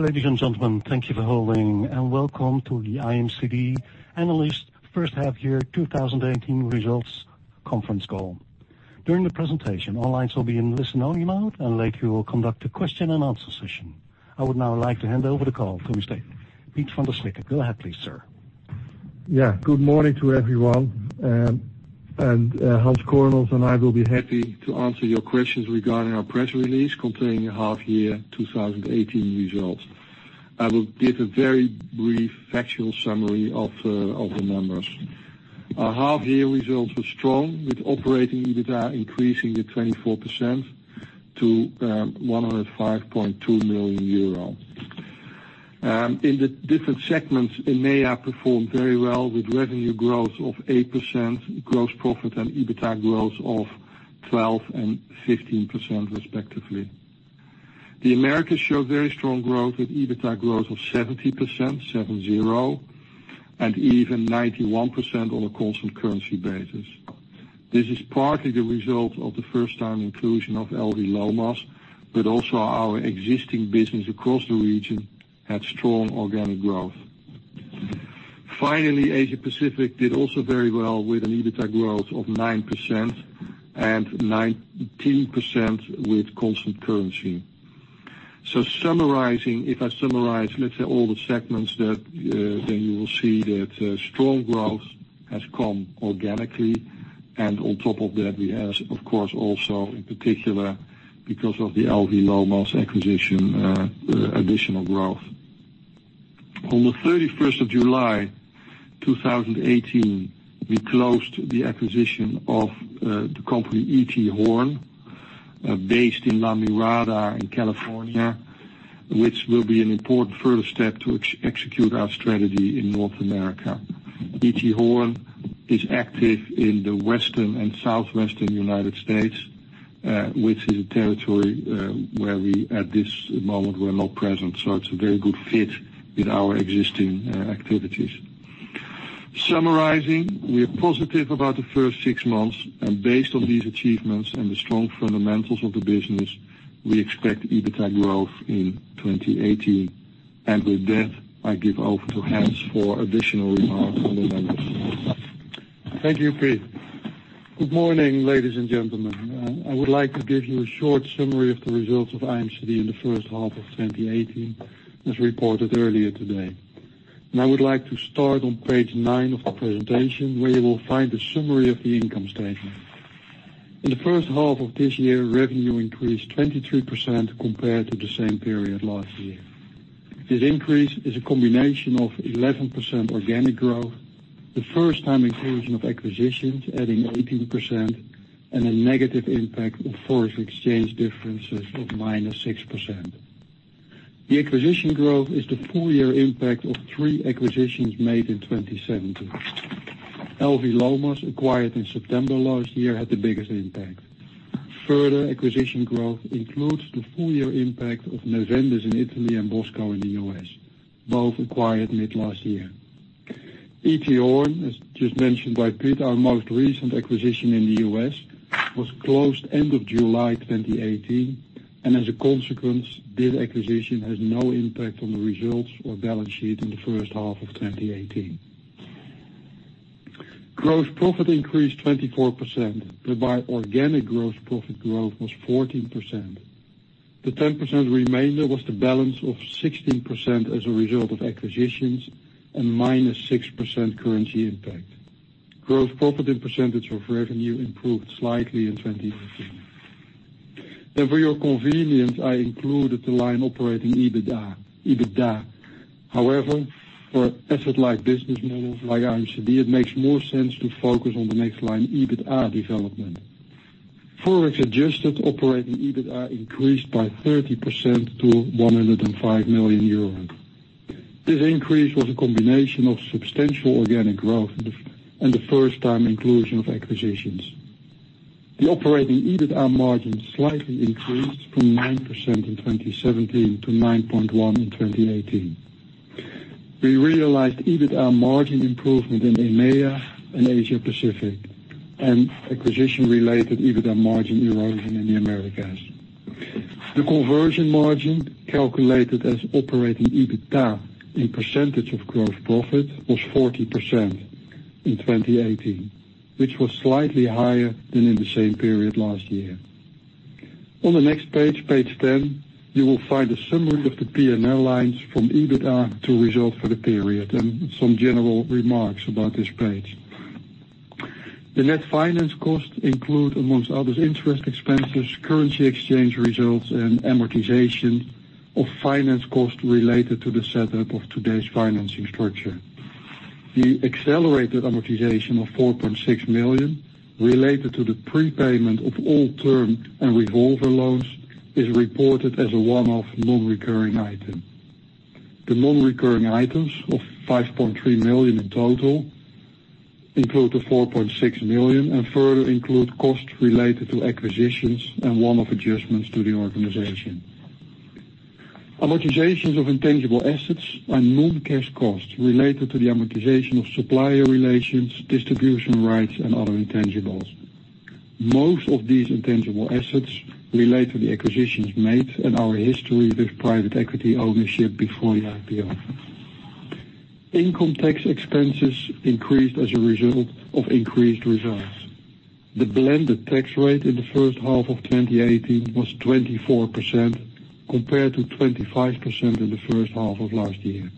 Ladies and gentlemen, thank you for holding, and welcome to the IMCD Analyst First Half Year 2018 Results Conference Call. During the presentation, all lines will be in listen-only mode, and later we will conduct a question and answer session. I would now like to hand over the call to Mr. Piet van der Slikke. Go ahead, please, sir. Yeah. Good morning to everyone. Hans Kooijmans and I will be happy to answer your questions regarding our press release containing the half year 2018 results. I will give a very brief factual summary of the numbers. Our half year results were strong, with Operating EBITDA increasing 24% to 105.2 million euro. In the different segments, EMEA performed very well with revenue growth of 8%, gross profit and EBITDA growth of 12% and 15% respectively. The Americas showed very strong growth with EBITDA growth of 70%, seven, zero, and even 91% on a constant currency basis. This is partly the result of the first time inclusion of L.V. Lomas, but also our existing business across the region had strong organic growth. Asia Pacific did also very well with an EBITDA growth of 9% and 19% with constant currency. Summarizing, if I summarize, let's say all the segments, then you will see that strong growth has come organically, and on top of that we have, of course, also in particular, because of the L.V. Lomas acquisition, additional growth. On the 31st of July 2018, we closed the acquisition of the company E.T. Horn, based in La Mirada in California, which will be an important further step to execute our strategy in North America. E.T. Horn is active in the Western and Southwestern U.S., which is a territory where we, at this moment, we're not present, so it's a very good fit with our existing activities. Summarizing, we're positive about the first six months, and based on these achievements and the strong fundamentals of the business, we expect EBITDA growth in 2018. With that, I give over to Hans for additional remarks on the numbers. Thank you, Piet. Good morning, ladies and gentlemen. I would like to give you a short summary of the results of IMCD in the first half of 2018, as reported earlier today. I would like to start on page nine of the presentation, where you will find a summary of the income statement. In the first half of this year, revenue increased 23% compared to the same period last year. This increase is a combination of 11% organic growth, the first time inclusion of acquisitions adding 18%, and a negative impact of foreign exchange differences of minus 6%. The acquisition growth is the full year impact of three acquisitions made in 2017. L.V. Lomas, acquired in September last year, had the biggest impact. Further acquisition growth includes the full year impact of Neuvendis in Italy and Bossco in the U.S., both acquired mid last year. E.T. Horn, as just mentioned by Piet, our most recent acquisition in the U.S., was closed end of July 2018, and as a consequence, this acquisition has no impact on the results or balance sheet in the first half of 2018. Gross profit increased 24%, whereby organic gross profit growth was 14%. The 10% remainder was the balance of 16% as a result of acquisitions and minus 6% currency impact. Gross profit and % of revenue improved slightly in 2018. For your convenience, I included the line Operating EBITDA. However, for asset-light business models like IMCD, it makes more sense to focus on the next line, EBITDA development. Forex-adjusted Operating EBITDA increased by 30% to 105 million euros. This increase was a combination of substantial organic growth and the first time inclusion of acquisitions. The Operating EBITDA margin slightly increased from 9% in 2017 to 9.1% in 2018. We realized EBITDA margin improvement in EMEA and Asia Pacific and acquisition-related EBITDA margin erosion in the Americas. The conversion margin, calculated as Operating EBITDA in % of gross profit, was 40% in 2018, which was slightly higher than in the same period last year. On the next page 10, you will find a summary of the P&L lines from EBITDA to result for the period and some general remarks about this page. The net finance costs include, amongst others, interest expenses, currency exchange results, and amortization of finance costs related to the setup of today's financing structure. The accelerated amortization of 4.6 million related to the prepayment of all term and revolver loans is reported as a one-off non-recurring item. The non-recurring items of 5.3 million in total include the 4.6 million and further include costs related to acquisitions and one-off adjustments to the organization. Amortizations of intangible assets and non-cash costs related to the amortization of supplier relations, distribution rights and other intangibles. Most of these intangible assets relate to the acquisitions made in our history with private equity ownership before the IPO. Income tax expenses increased as a result of increased reserves. The blended tax rate in the first half of 2018 was 24%, compared to 25% in the first half of last year.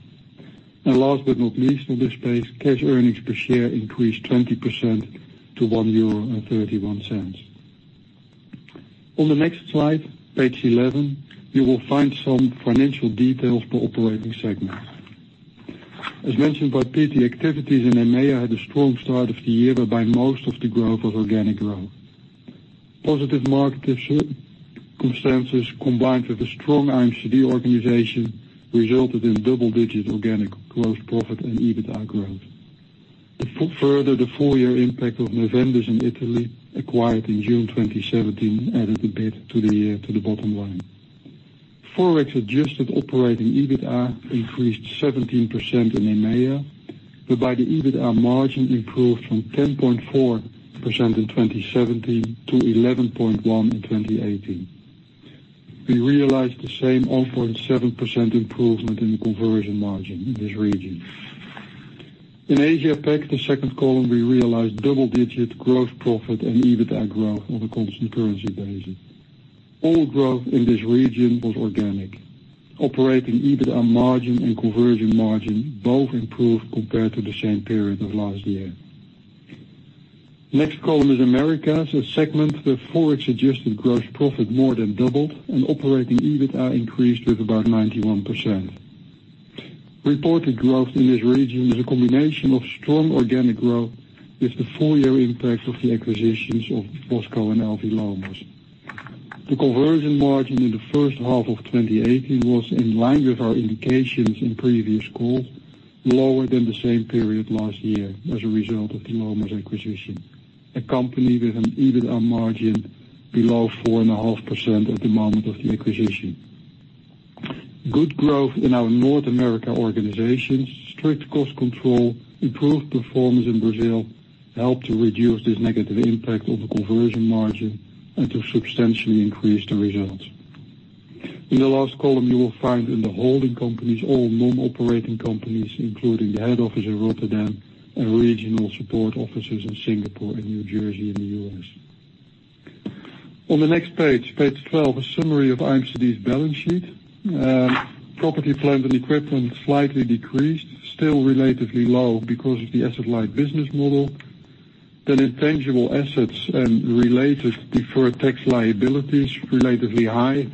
Last but not least, on this page, cash earnings per share increased 20% to 1.31 euro. On the next slide, page 11, you will find some financial details for operating segments. As mentioned by Piet, the activities in EMEA had a strong start of the year, whereby most of the growth was organic growth. Positive market consensus combined with a strong IMCD organization resulted in double-digit organic growth, profit, and EBITDA growth. The full-year impact of Neuvendis in Italy, acquired in June 2017, added a bit to the bottom line. Forex-adjusted Operating EBITDA increased 17% in EMEA, whereby the EBITDA margin improved from 10.4% in 2017 to 11.1% in 2018. We realized the same 0.7% improvement in the conversion margin in this region. In Asia Pac, the second column, we realized double-digit growth profit and EBITDA growth on a constant currency basis. All growth in this region was organic. Operating EBITDA margin and conversion margin both improved compared to the same period of last year. The next column is Americas. As a segment, the Forex-adjusted gross profit more than doubled, and Operating EBITDA increased with about 91%. Reported growth in this region is a combination of strong organic growth with the full-year impact of the acquisitions of Bossco and L.V. Lomas. The conversion margin in the first half of 2018 was in line with our indications in previous calls, lower than the same period last year as a result of the Lomas acquisition, accompanied with an EBITDA margin below 4.5% at the moment of the acquisition. Good growth in our North America organizations, strict cost control, improved performance in Brazil helped to reduce this negative impact on the conversion margin and to substantially increase the results. In the last column, you will find in the holding companies all non-operating companies, including the head office in Rotterdam and regional support offices in Singapore and New Jersey in the U.S. On the next page 12, a summary of IMCD's balance sheet. Property, plant, and equipment slightly decreased, still relatively low because of the asset-light business model. Intangible assets and related deferred tax liabilities, relatively high.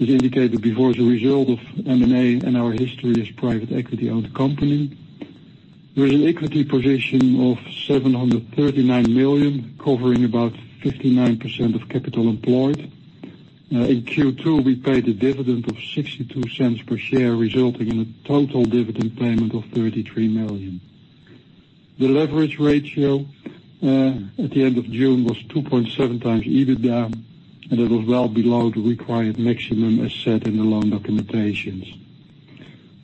As indicated before, as a result of M&A and our history as private equity-owned company. There is an equity position of 739 million, covering about 59% of capital employed. In Q2, we paid a dividend of 0.62 per share, resulting in a total dividend payment of 33 million. The leverage ratio, at the end of June, was 2.7 times EBITDA, it was well below the required maximum as set in the loan documentations.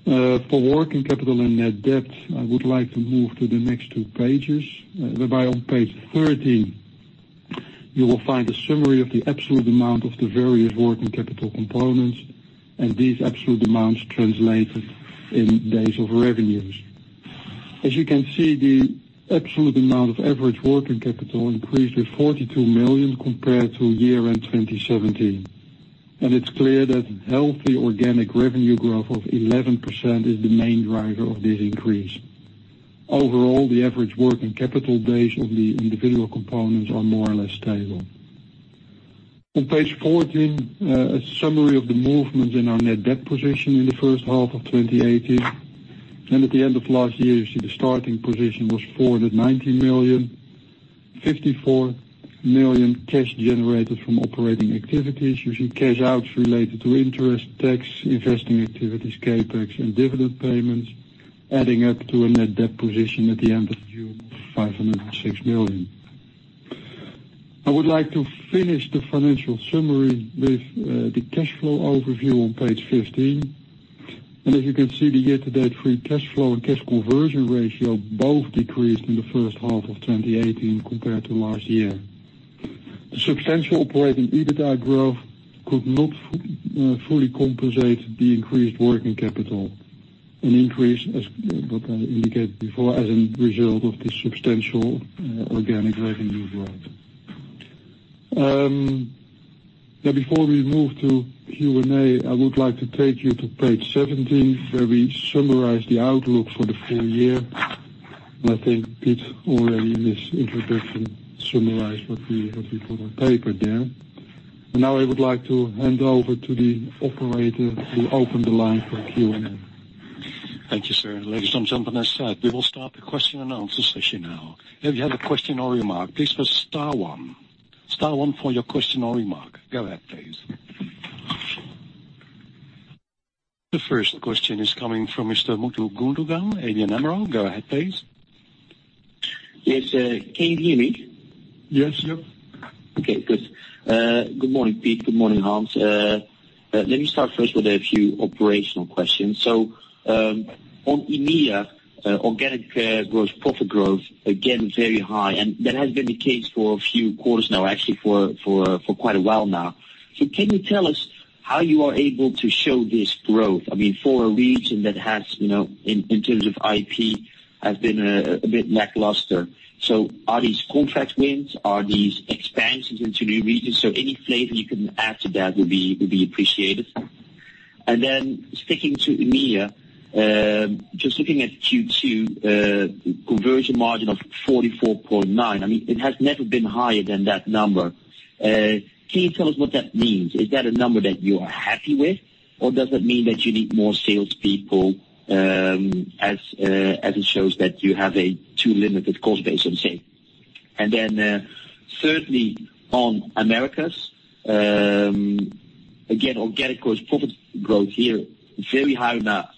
For working capital and net debt, I would like to move to the next two pages. Whereby on page 13, you will find a summary of the absolute amount of the various working capital components and these absolute amounts translated in days of revenues. As you can see, the absolute amount of average working capital increased with 42 million compared to year-end 2017. It's clear that healthy organic revenue growth of 11% is the main driver of this increase. Overall, the average working capital days of the individual components are more or less stable. On page 14, a summary of the movements in our net debt position in the first half of 2018. At the end of last year, you see the starting position was 490 million, 54 million cash generated from operating activities. You see cash outs related to interest, tax, investing activities, CapEx, and dividend payments, adding up to a net debt position at the end of June of 506 million. I would like to finish the financial summary with the cash flow overview on page 15. As you can see, the year-to-date free cash flow and cash conversion ratio both decreased in the first half of 2018 compared to last year. The substantial operating EBITDA growth could not fully compensate the increased working capital. An increase as indicated before, as a result of the substantial organic revenue growth. Before we move to Q&A, I would like to take you to page 17, where we summarize the outlook for the full year. I think Piet already, in his introduction, summarized what we have put on paper there. Now I would like to hand over to the operator to open the line for Q&A. Thank you, sir. Ladies and gentlemen, as said, we will start the question and answer session now. If you have a question or remark, please press star one. Star one for your question or remark. Go ahead, please. The first question is coming from Mr. Mutlu Gundogan, ABN AMRO. Go ahead, please. Yes. Can you hear me? Yes. Yep. Okay, good. Good morning, Piet. Good morning, Hans. Let me start first with a few operational questions. On EMEA, organic growth, profit growth, again, very high, and that has been the case for a few quarters now, actually for quite a while now. Can you tell us how you are able to show this growth? For a region that has, in terms of IP, has been a bit lackluster. Are these contract wins? Are these expansions into new regions? Any flavor you can add to that would be appreciated. Sticking to EMEA, just looking at Q2, conversion margin of 44.9%. It has never been higher than that number. Can you tell us what that means? Is that a number that you are happy with, or does it mean that you need more salespeople, as it shows that you have a too limited cost base, I'm saying? Thirdly, on Americas, again, organic growth, profit growth here, very high now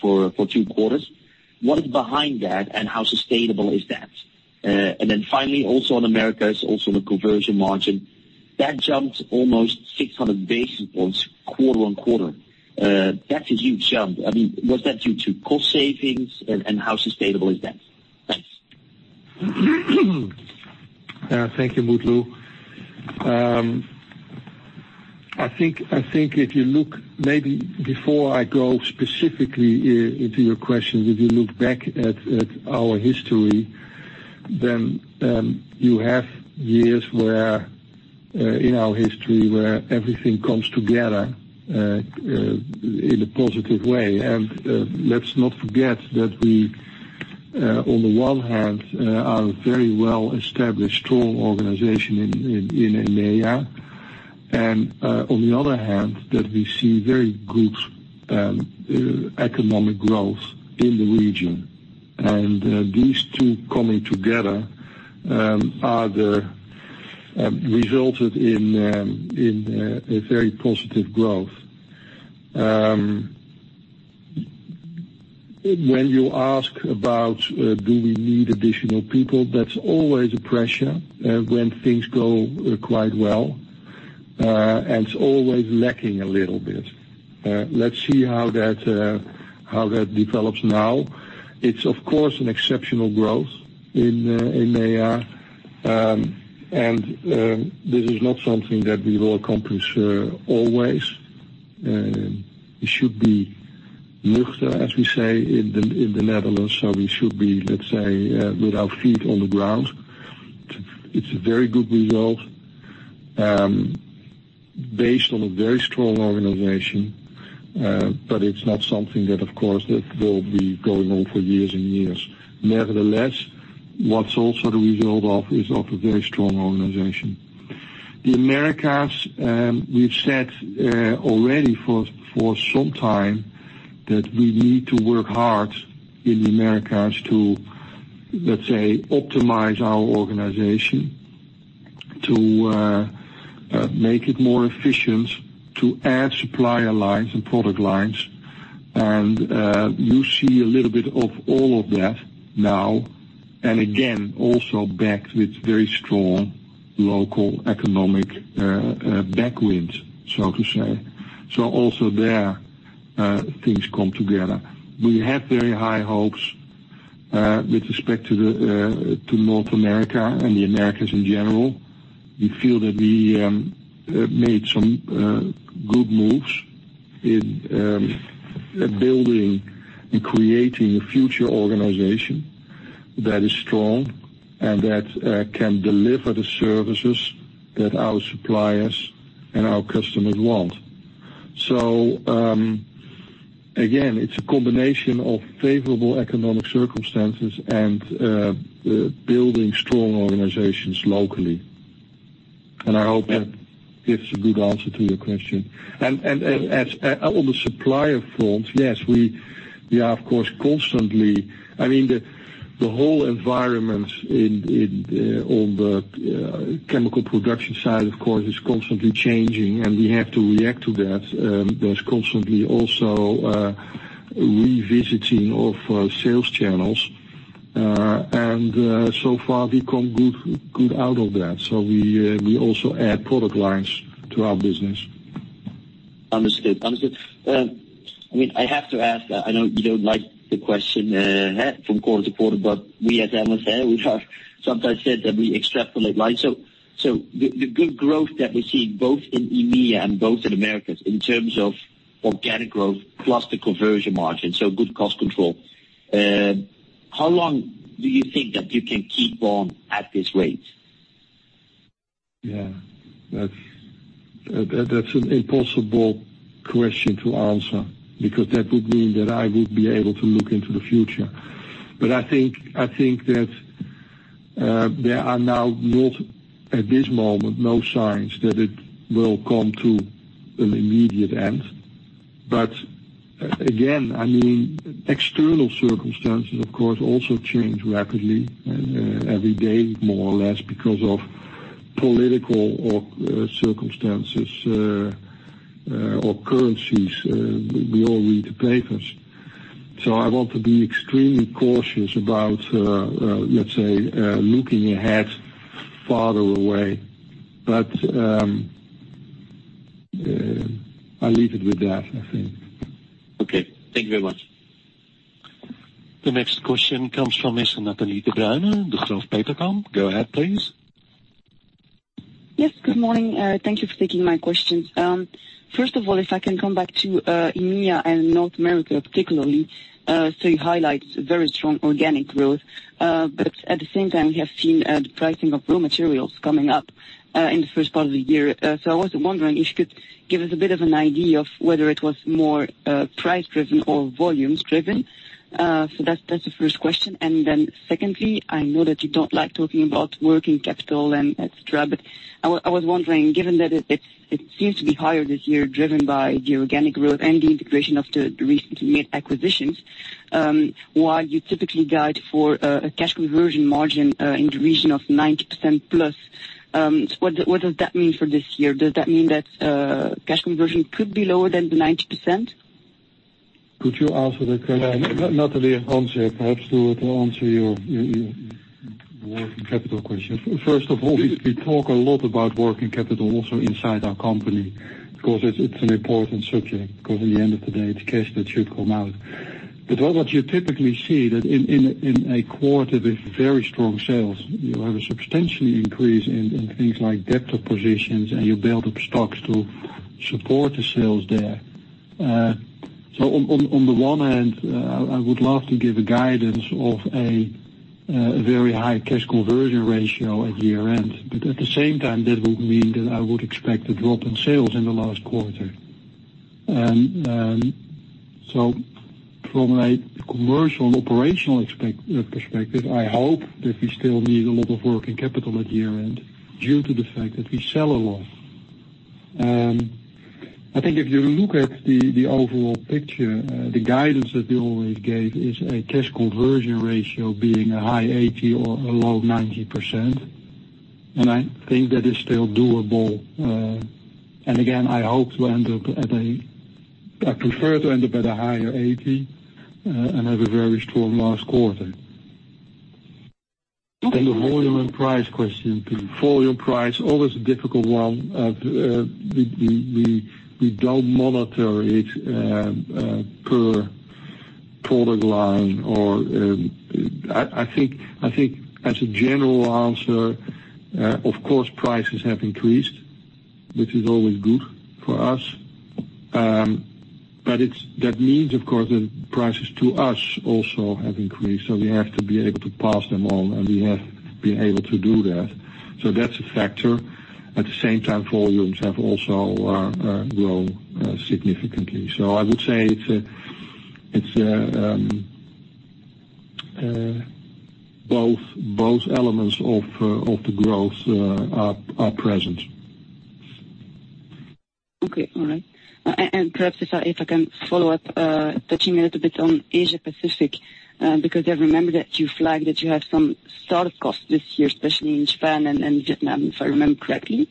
for two quarters. What is behind that, and how sustainable is that? Finally, also on Americas, also the conversion margin, that jumped almost 600 basis points quarter-on-quarter. That's a huge jump. Was that due to cost savings, and how sustainable is that? Thanks. Thank you, Mutlu. I think if you look, maybe before I go specifically into your question, if you look back at our history, then you have years in our history where everything comes together in a positive way. Let's not forget that we, on the one hand, are very well established, strong organization in EMEA, and on the other hand, that we see very good economic growth in the region. These two coming together are the resulted in a very positive growth. When you ask about do we need additional people, that's always a pressure when things go quite well, and it's always lacking a little bit. Let's see how that develops now. It's, of course, an exceptional growth in EMEA, and this is not something that we will accomplish always. It should be nuchter, as we say in the Netherlands. We should be, let's say, with our feet on the ground. It's a very good result based on a very strong organization, but it's not something that, of course, that will be going on for years and years. Nevertheless, what's also the result of is of a very strong organization. The Americas, we've said already for some time that we need to work hard in the Americas to, let's say, optimize our organization, to make it more efficient, to add supplier lines and product lines. You see a little bit of all of that now. Again, also backed with very strong local economic backwinds, so to say. Also there things come together. We have very high hopes with respect to North America and the Americas in general. We feel that we made some good moves in building and creating a future organization that is strong and that can deliver the services that our suppliers and our customers want. Again, it's a combination of favorable economic circumstances and building strong organizations locally. I hope that gives a good answer to your question. On the supplier front, yes, the whole environment on the chemical production side, of course, is constantly changing, and we have to react to that. There's constantly also revisiting of sales channels. So far we come good out of that. We also add product lines to our business. Understood. I have to ask, I know you don't like the question from quarter-to-quarter, but we at (MSA), we have sometimes said that we extrapolate life. The good growth that we're seeing both in EMEA and both in Americas in terms of organic growth plus the conversion margin, so good cost control, how long do you think that you can keep on at this rate? That's an impossible question to answer because that would mean that I would be able to look into the future. I think that there are now not, at this moment, no signs that it will come to an immediate end. Again, external circumstances, of course, also change rapidly every day, more or less, because of political or circumstances or currencies. We all read the papers. I want to be extremely cautious about, let's say, looking ahead farther away. I leave it with that, I think. Okay. Thank you very much. The next question comes from Ms. Nathalie De Bruycker with KBC Securities. Go ahead, please. Yes, good morning. Thank you for taking my questions. First of all, if I can come back to EMEA and North America, particularly. You highlight very strong organic growth, but at the same time, we have seen the pricing of raw materials coming up in the first part of the year. I was wondering if you could give us a bit of an idea of whether it was more price-driven or volumes-driven. That's the first question. Secondly, I know that you don't like talking about working capital and et cetera, but I was wondering, given that it seems to be higher this year driven by the organic growth and the integration of the recently made acquisitions, while you typically guide for a cash conversion margin in the region of 90% plus, what does that mean for this year? Does that mean that cash conversion could be lower than the 90%? Could you answer the question? Nathalie, Hans here. Perhaps to answer your working capital question. First of all, we talk a lot about working capital also inside our company, because it's an important subject. At the end of the day, it's cash that should come out. What you typically see that in a quarter with very strong sales, you have a substantial increase in things like debtor positions, and you build up stocks to support the sales there. On the one hand, I would love to give a guidance of a very high cash conversion ratio at year-end, but at the same time, that would mean that I would expect a drop in sales in the last quarter. From a commercial and operational perspective, I hope that we still need a lot of working capital at year-end due to the fact that we sell a lot. I think if you look at the overall picture, the guidance that we always gave is a cash conversion ratio being a high 80% or a low 90%, and I think that is still doable. Again, I prefer to end up at a higher 80% and have a very strong last quarter. The volume and price question, please. Volume, price, always a difficult one. We don't monitor it per product line or I think as a general answer, of course, prices have increased, which is always good for us. That means, of course, that prices to us also have increased, so we have to be able to pass them on, and we have been able to do that. That's a factor. At the same time, volumes have also grown significantly. I would say it's both elements of the growth are present. Okay. All right. Perhaps if I can follow up, touching a little bit on Asia-Pacific, because I remember that you flagged that you have some start-up costs this year, especially in Japan and Vietnam, if I remember correctly.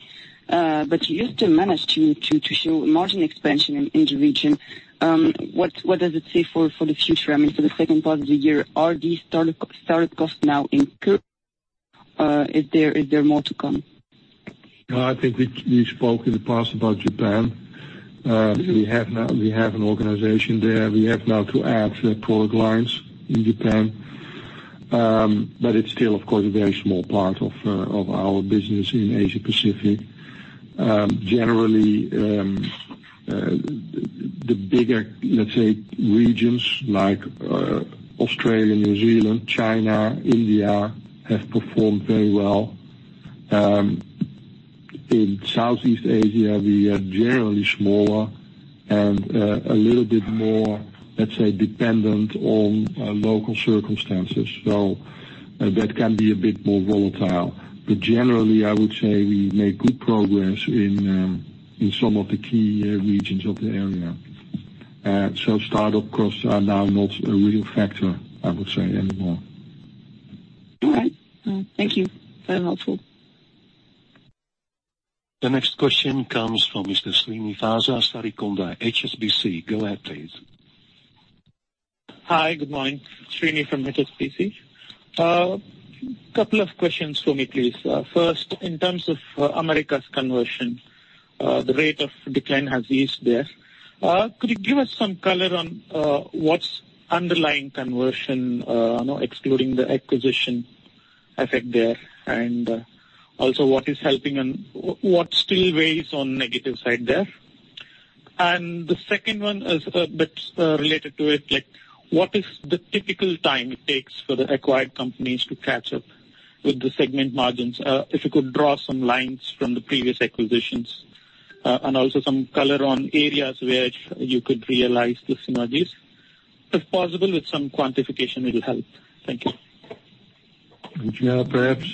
You still managed to show margin expansion in the region. What does it say for the future? I mean, for the second part of the year. Are these start-up costs now incurred? Is there more to come? I think we spoke in the past about Japan. We have an organization there. We have now to add product lines in Japan. It's still, of course, a very small part of our business in Asia-Pacific. Generally, the bigger, let's say, regions like Australia, New Zealand, China, India, have performed very well. In Southeast Asia, we are generally smaller and a little bit more, let's say, dependent on local circumstances, so that can be a bit more volatile. Generally, I would say we made good progress in some of the key regions of the area. Start-up costs are now not a real factor, I would say anymore. All right. Thank you. Very helpful. The next question comes from Mr. Srinivasa Sarikonda, HSBC. Go ahead, please. Hi, good morning. Srini from HSBC. Couple of questions for me, please. First, in terms of Americas conversion, the rate of decline has eased there. Could you give us some color on what's underlying conversion, excluding the acquisition effect there? Also what is helping and what still weighs on negative side there? The second one is a bit related to it, what is the typical time it takes for the acquired companies to catch up with the segment margins? If you could draw some lines from the previous acquisitions, and also some color on areas where you could realize the synergies. If possible, with some quantification it'll help. Thank you. Yeah. Perhaps,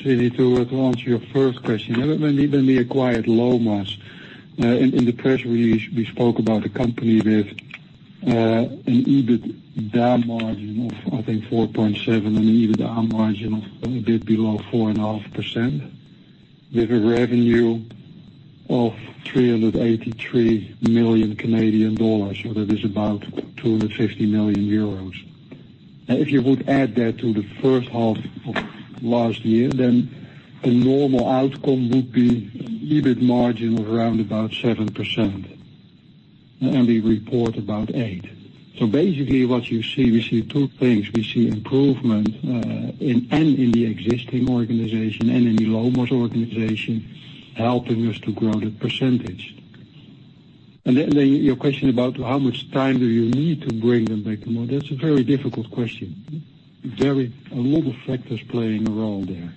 Srini, to answer your first question. When we acquired Lomas, in the press release we spoke about a company with an EBITDA margin of, I think, 4.7%, and an EBITDA margin of a bit below 4.5%. With a revenue of 383 million Canadian dollars, so that is about 250 million euros. If you would add that to the first half of last year, then a normal outcome would be EBIT margin of around 7%, and we report about 8%. So basically, what you see, we see two things. We see improvement in the existing organization and in the Lomas organization, helping us to grow the percentage. Then your question about how much time do you need to bring them back on board? That's a very difficult question. A lot of factors playing a role there.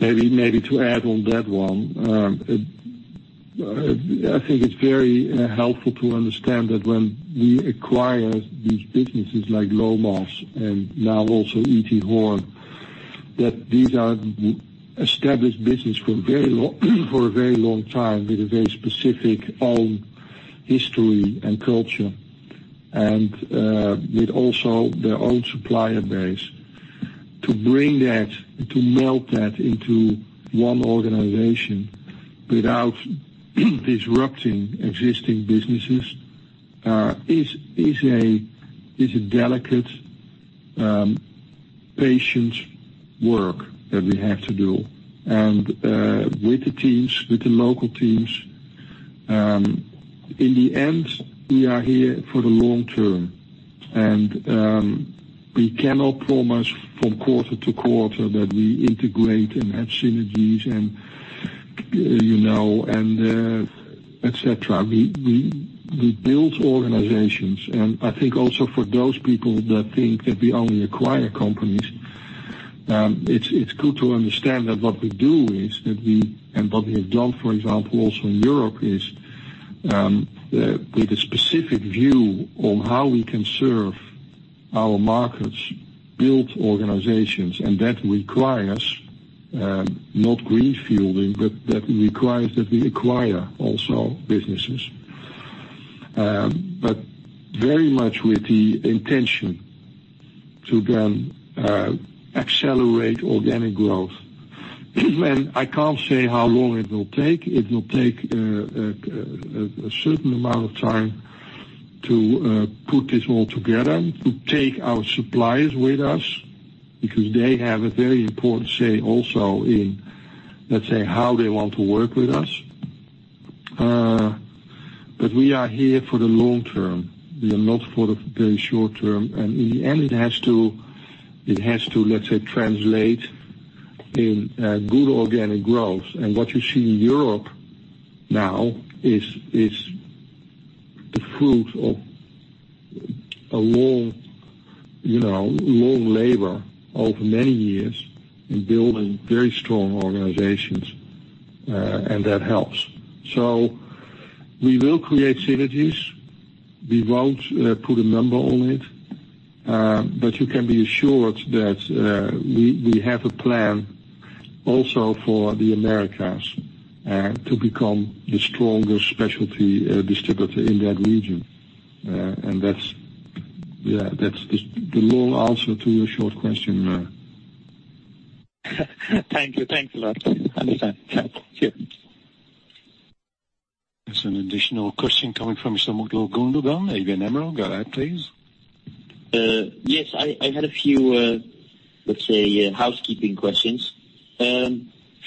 Maybe to add on that one. I think it's very helpful to understand that when we acquire these businesses like Lomas and now also E.T. Horn, that these are established business for a very long time with a very specific own history and culture, and with also their own supplier base. To melt that into one organization without disrupting existing businesses, is a delicate, patient work that we have to do. With the teams, with the local teams. In the end, we are here for the long term, and we cannot promise from quarter to quarter that we integrate and add synergies and et cetera. We build organizations, and I think also for those people that think that we only acquire companies, it's good to understand that what we do is, that we have done, for example, also in Europe, is with a specific view on how we can serve our markets, build organizations, and that requires, not green fielding, but that requires that we acquire also businesses. Very much with the intention to then accelerate organic growth. I can't say how long it will take. It will take a certain amount of time to put this all together, to take our suppliers with us, because they have a very important say also in, let's say, how they want to work with us. We are here for the long term. We are not for the very short term. In the end, it has to, let's say, translate in good organic growth. What you see in Europe now is the fruit of a long labor over many years in building very strong organizations. That helps. We will create synergies. We won't put a number on it. You can be assured that we have a plan also for the Americas, to become the strongest specialty distributor in that region. That's the long answer to your short question. Thank you. Thanks a lot. Understand. Cheers. There is an additional question coming from Mr. Mutlu Gundogan, ABN AMRO. Go ahead, please. Yes. I had a few, let's say, housekeeping questions.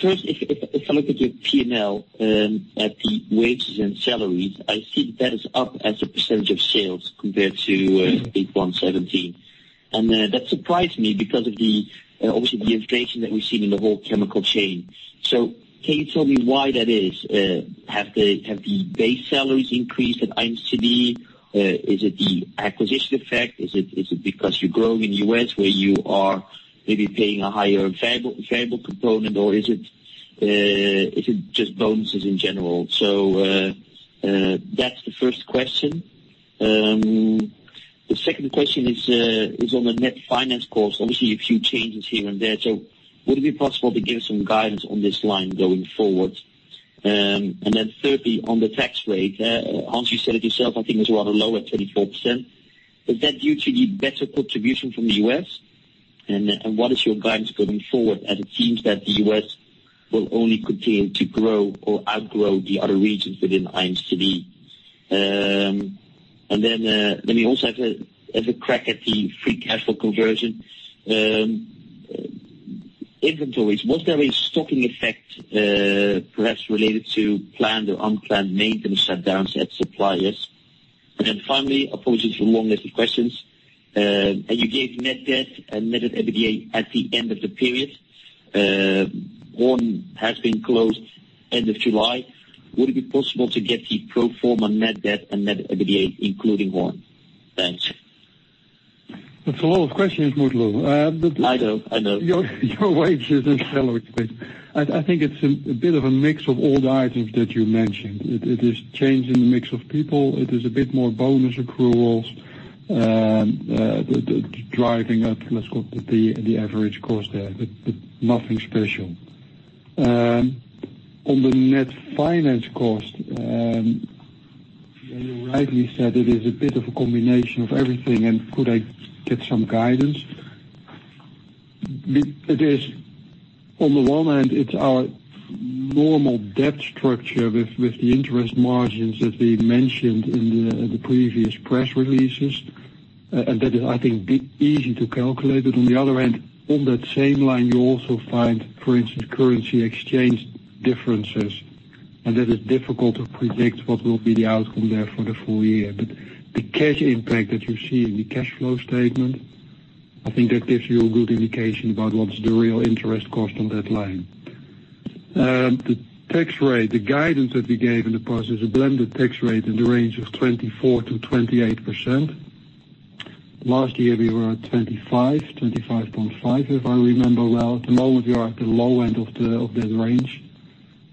First, if I look at your P&L, at the wages and salaries, I see that is up as a percentage of sales compared to Q1 2017. That surprised me because of the, obviously, the inflation that we've seen in the whole chemical chain. Can you tell me why that is? Have the base salaries increased at IMCD? Is it the acquisition effect? Is it because you're growing in the U.S. where you are maybe paying a higher variable component, or is it just bonuses in general? That's the first question. The second question is on the net finance cost. Obviously, a few changes here and there. Would it be possible to give some guidance on this line going forward? Thirdly, on the tax rate, Hans, you said it yourself, I think it was rather low at 24%, is that due to the better contribution from the U.S.? What is your guidance going forward, as it seems that the U.S. will only continue to grow or outgrow the other regions within IMCD? Let me also have a crack at the free cash flow conversion. Inventories. Was there a stocking effect, perhaps related to planned or unplanned maintenance shutdowns at suppliers? Finally, apologies for the long list of questions. You gave net debt and net of EBITDA at the end of the period. Horn has been closed end of July. Would it be possible to get the pro forma net debt and net of EBITDA, including Horn? Thanks. That's a lot of questions, Mutlu. I know. Your wages and salary space. I think it's a bit of a mix of all the items that you mentioned. It is change in the mix of people. It is a bit more bonus accruals, driving up, let's call it, the average cost there, but nothing special. On the net finance cost. You rightly said it is a bit of a combination of everything. Could I get some guidance? On the one hand, it's our normal debt structure with the interest margins that we mentioned in the previous press releases. That is, I think, easy to calculate. On the other hand, on that same line, you also find, for instance, currency exchange differences. That is difficult to predict what will be the outcome there for the full year. The cash impact that you see in the cash flow statement, I think that gives you a good indication about what's the real interest cost on that line. The tax rate, the guidance that we gave in the past is a blended tax rate in the range of 24%-28%. Last year, we were at 25.5%, if I remember well. At the moment, we are at the low end of that range.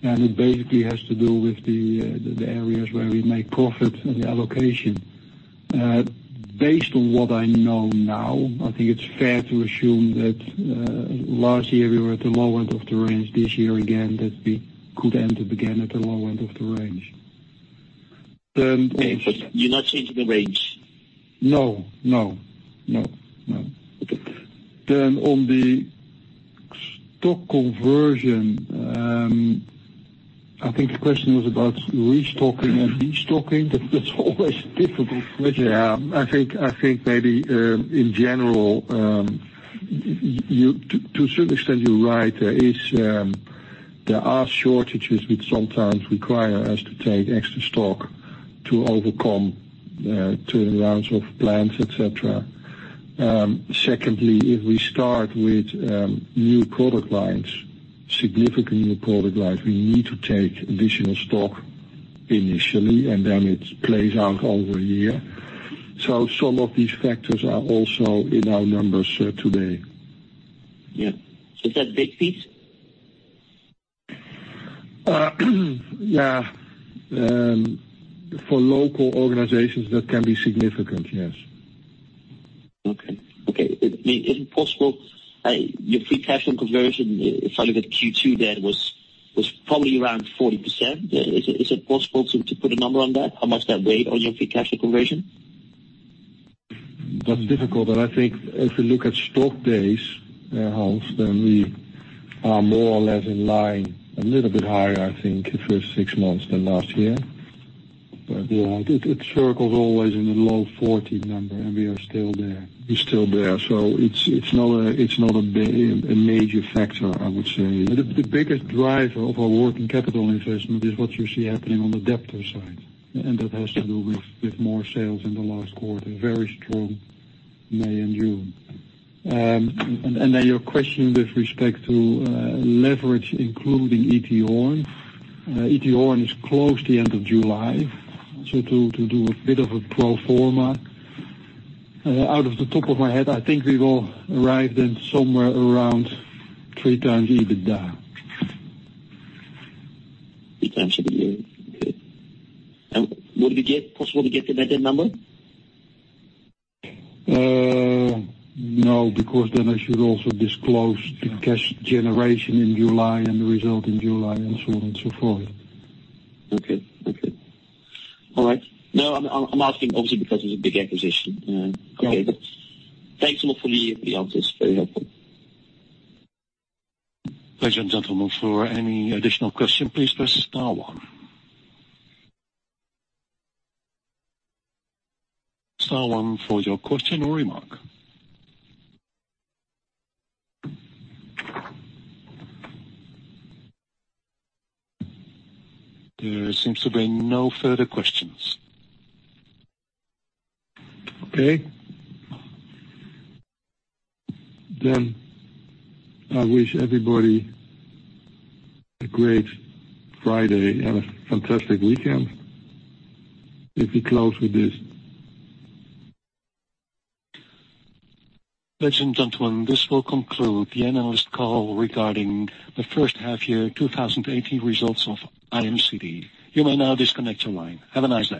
It basically has to do with the areas where we make profit and the allocation. Based on what I know now, I think it's fair to assume that last year we were at the low end of the range. This year, again, that we could end up again at the low end of the range. You're not changing the range? No. On the stock conversion, I think the question was about restocking and destocking. That's always a difficult question. Yeah. I think maybe, in general, to a certain extent, you're right. There are shortages which sometimes require us to take extra stock to overcome turnarounds of plants, et cetera. Secondly, if we start with new product lines, significant new product lines, we need to take additional stock initially, and then it plays out over a year. Some of these factors are also in our numbers today. Yeah. Is that a big piece? Yeah. For local organizations, that can be significant, yes. Okay. Is it possible, your free cash conversion, if I look at Q2 there, was probably around 40%. Is it possible to put a number on that, how much that weighed on your free cash conversion? That's difficult, but I think if you look at stock days, warehouse, then we are more or less in line, a little bit higher, I think, the first six months than last year. Yeah, it circles always in the low 40 number, and we are still there. You're still there. It's not a major factor, I would say. The biggest driver of our working capital investment is what you see happening on the debtor side, that has to do with more sales in the last quarter, very strong May and June. Your question with respect to leverage, including E.T. Horn. E.T. Horn is closed the end of July. To do a bit of a pro forma, out of the top of my head, I think we will arrive then somewhere around 3x EBITDA. 3x EBITDA. Okay. Would it be possible to get the net end number? Because then I should also disclose the cash generation in July and the result in July, and so on and so forth. I'm asking obviously because it's a big acquisition. Yeah. Thanks a lot for the answers. Very helpful. Ladies and gentlemen, for any additional question, please press star one. Star one for your question or remark. There seems to be no further questions. Okay. I wish everybody a great Friday and a fantastic weekend. If we close with this. Ladies and gentlemen, this will conclude the analyst call regarding the first half year 2018 results of IMCD. You may now disconnect your line. Have a nice day.